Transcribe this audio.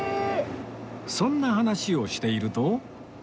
そんな話をしていると